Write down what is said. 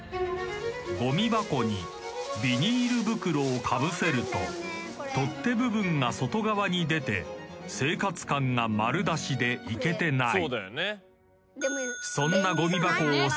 ［ごみ箱にビニール袋をかぶせると取っ手部分が外側に出て生活感が丸出しでいけてない］